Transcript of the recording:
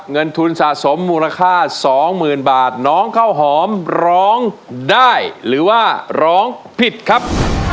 เงินทุนสะสมมูลค่า๒๐๐๐บาทน้องข้าวหอมร้องได้หรือว่าร้องผิดครับ